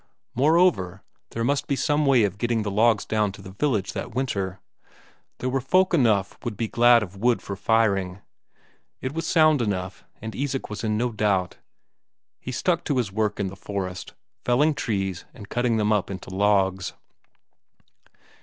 Moreover, there must be some way of getting the logs down to the village that winter; there were folk enough would be glad of wood for firing. It was sound enough, and Isak was in no doubt; he stuck to his work in the forest, felling trees and cutting them up into logs.